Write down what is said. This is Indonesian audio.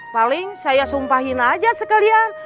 paling saya sumpahin aja sekalian